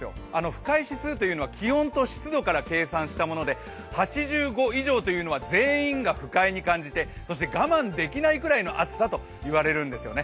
不快指数というのは気温と湿度から計算したもので８５以上というのは全員が不快に感じてそして我慢できないぐらいの暑さといわれるんですよね。